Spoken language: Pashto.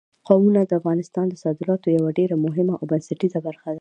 قومونه د افغانستان د صادراتو یوه ډېره مهمه او بنسټیزه برخه ده.